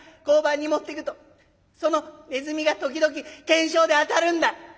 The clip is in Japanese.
交番に持ってくとそのネズミが時々懸賞で当たるんだ。